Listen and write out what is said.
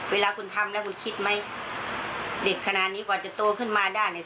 เวลาคุณทำแล้วคุณคิดไหมเด็กขนาดนี้กว่าจะโตขึ้นมาได้เนี่ย